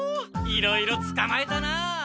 いろいろつかまえたな。